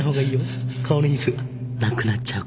顔の皮膚なくなっちゃうから。